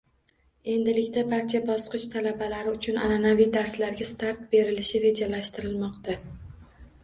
Endilikda barcha bosqich talabalari uchun anaʼanaviy darslarga start berilishi rejalashtirilmoqda.